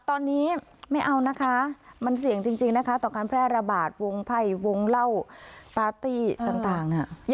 ตอนนี้ไม่เอานะคะมันเสี่ยงจริงนะคะต่อการแพร่ระบาดวงไพ่วงเหล้าปาร์ตี้ต่าง